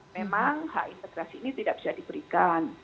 memang hak integrasi ini tidak bisa diberikan